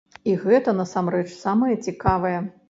І гэта насамрэч самае цікавае!